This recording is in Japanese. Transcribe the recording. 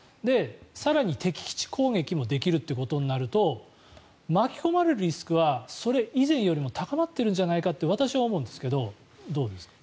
更に、敵基地攻撃もできるということになると巻き込まれるリスクはそれ以前よりも高まっているんじゃないかと私は思うんですけどどうですか。